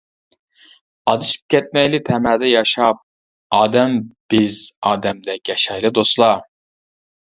ئادىشىپ كەتمەيلى تەمەدە ياشاپ، ئادەم بىز ئادەمدەك ياشايلى دوستلار.